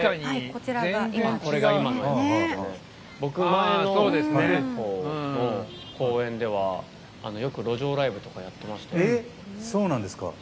前の公園ではよく路上ライブとかやってましたよ。